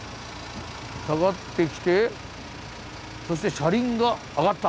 下がってきてそして車輪が上がった。